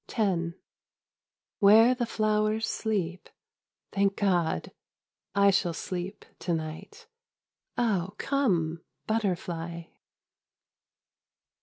X Where the flowers sleep, Thank God ! I shall sleep, to night. Oh, come, butterfly